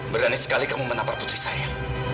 berani sekali kamu menapar putri saya